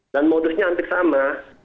dan modusnya hampir sama